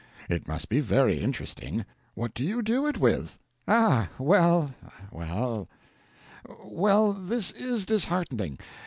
It must be very interesting. What do you do it with?" "Ah, well well well this is disheartening.